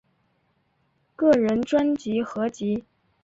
个人专辑合辑